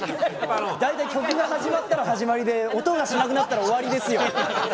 大体曲が始まったら始まりで音がしなくなったら終わりですよ。